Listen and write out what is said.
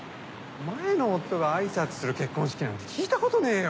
前の夫が挨拶する結婚式なんて聞いたことねえよ！